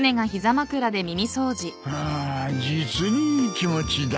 ああ実にいい気持ちだ。